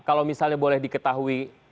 kalau misalnya boleh diketahui